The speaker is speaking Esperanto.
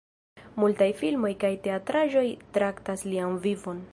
Multaj filmoj kaj teatraĵoj traktas lian vivon.